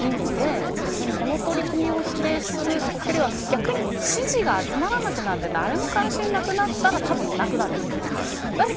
そういうソーシャルな意味で別に、この取り組みを否定するよりは逆に支持が集まらなくなって誰も関心なくなったらたぶん、なくなるんです。